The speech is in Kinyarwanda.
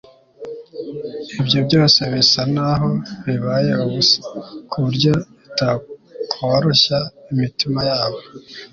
ibyo byose bisa naho bibaye ubusa ku buryo bitakoroshya imitima yabo